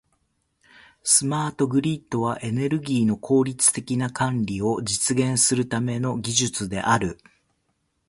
スマートグリッドは、エネルギーの効率的な管理を実現するための技術である。